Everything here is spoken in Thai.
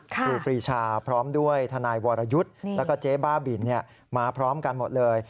ครูปรีชาพร้อมด้วยทนายวรยุทธ์แล้วก็เจ๊บ้าบินมาพร้อมกันหมดเลย